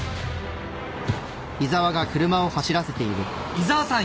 井沢さん